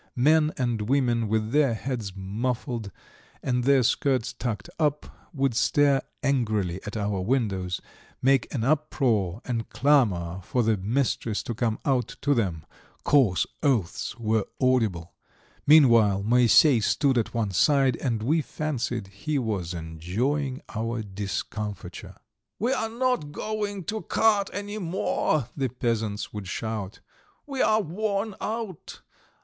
Men and women, with their heads muffled and their skirts tucked up, would stare angrily at our windows, make an uproar, and clamour for the mistress to come out to them; coarse oaths were audible. Meanwhile Moisey stood at one side, and we fancied he was enjoying our discomfiture. "We are not going to cart any more," the peasants would shout. "We are worn out!